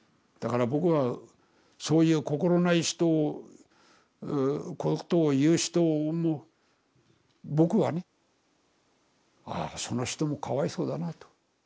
だから僕はそういう心ない人をことを言う人も僕はね「ああその人もかわいそうだな」と。